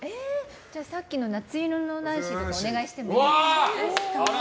さっきの「夏色のナンシー」お願いしてもいいですか。